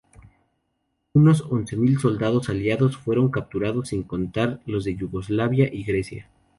Unos once mil soldados aliados fueron capturados, sin contar los de Yugoslavia y Grecia.